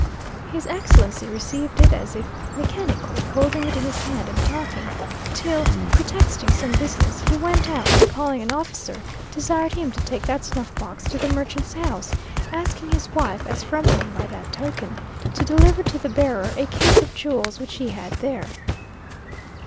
His Excellency received it as if mechanically, holding it in his hand and talking, till pretexting some business, he went out, and calling an officer, desired him to take that snuff box to the merchant's house, asking his wife as from him, by that token, to deliver to the bearer a case of jewels which he had there.